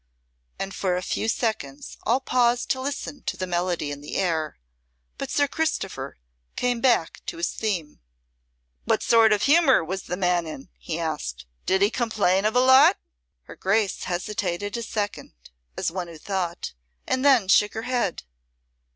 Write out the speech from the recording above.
And for a few seconds all paused to listen to the melody in the air. But Sir Christopher came back to his theme. "What sort of humour was the man in?" he asked. "Did he complain of 's lot?" Her Grace hesitated a second, as one who thought, and then shook her head.